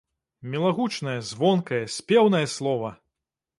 Мілагучнае, звонкае, спеўнае слова!